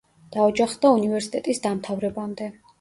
დაოჯახდა უნივერსიტეტის დამთავრებამდე.